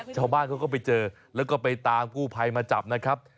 ชาวบ้านเขาก็ไปเจอแล้วก็ไปตามกู้ภัยมาจับนะครับ